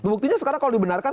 buktinya sekarang kalau dibenarkan